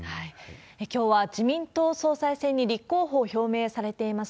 きょうは自民党総裁選に立候補を表明されています、